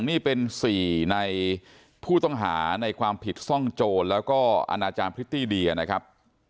นี่เป็น๔ในผู้ต้องหาในความผิดซ่องโจรแล้วก็อนาจารย์พริตตี้เดียนะครับ